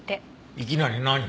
いきなり何？